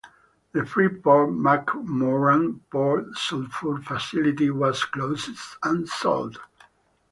The Freeport-McMoRan Port Sulphur facility was closed and sold.